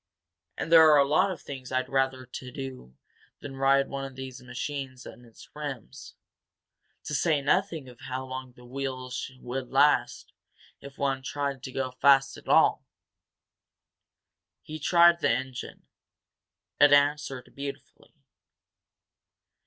And there are a lot of things I'd rather do than ride one of these machines on its rims to say nothing of how long the wheels would last if one tried to go fast at all." He tried the engine; it answered beautifully.